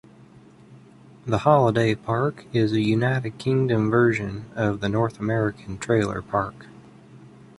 The holiday park is a United Kingdom version of the North American trailer park.